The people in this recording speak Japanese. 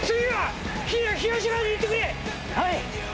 はい。